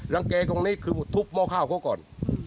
รังเกตรงนี้คือทุบหม้อข้าวเขาก่อน